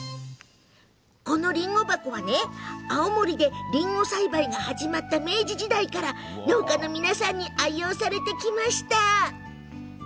このりんご箱は、青森でりんご栽培が始まった明治時代から農家の皆さんに愛用されてきました。